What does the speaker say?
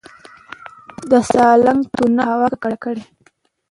د سالنګ تونل هوا ککړه ده